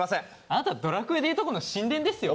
あなた『ドラクエ』でいうとこの神殿ですよ。